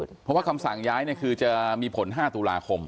เพราะว่าคำสั่งย้ายคือจะมีผล๕ตุลาคม